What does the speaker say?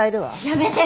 やめて！